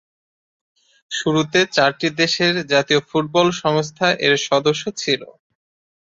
শুরুতে চারটি দেশের জাতীয় ফুটবল সংস্থা এর সদস্য ছিল।